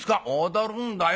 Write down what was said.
「踊るんだよ。